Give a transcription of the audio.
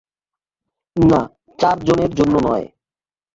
না, চারজনের জন্য নয়।